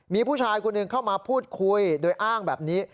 มีผู้ชายคนหนึ่งเข้ามาพูดคุยโดยอ้างแบบนี้